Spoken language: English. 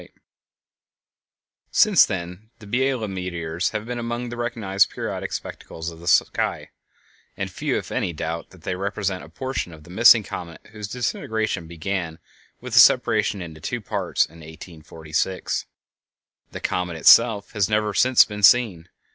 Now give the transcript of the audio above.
(From La Nature)] Since then the Biela meteors have been among the recognized periodic spectacles of the sky, and few if any doubt that they represent a portion of the missing comet whose disintegration began with the separation into two parts in 1846. The comet itself has never since been seen.